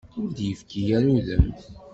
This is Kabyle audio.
Ur d-ifki ara udem.